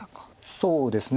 そうですね。